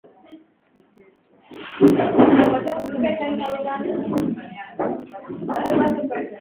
Fasihi uchoraji na Muziki Mwisho nikukumbushe kwamba Rap ni tofauti na hip hop Kughani